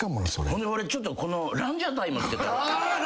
ほんで俺ちょっとこのランジャタイも付けたろ。